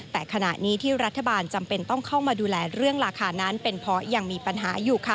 แต่ขณะนี้ที่รัฐบาลจำเป็นต้องเข้ามาดูแลเรื่องราคานั้นเป็นเพราะยังมีปัญหาอยู่ค่ะ